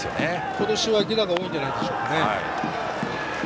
今年は犠打が多いんじゃないでしょうか。